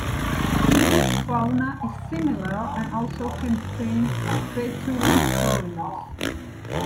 This fauna is similar and also contains vetulicolians.